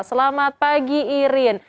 selamat pagi irin